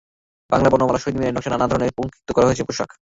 বাংলা বর্ণমালা, শহীদ মিনারের নকশা, নানা ধরনের পঙ্ক্তি দিয়ে করা হয়েছে পোশাক।